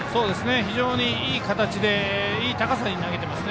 非常にいい形でいい高さに投げています。